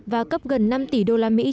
và cấp gần năm tỷ đô la mỹ